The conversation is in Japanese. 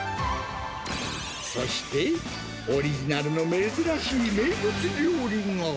そして、オリジナルの珍しい名物料理が。